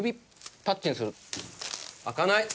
開かない。